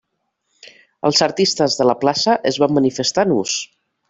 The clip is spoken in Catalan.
Els artistes de la plaça es van manifestar nus.